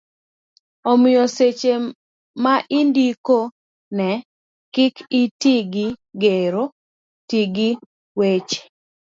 omiyo seche ma indiko ne kik iti gi gero, ti gi weche